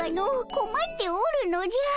こまっておるのじゃ。